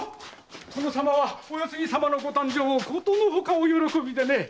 殿様はお世継ぎ様のご誕生をことのほかお喜びでね。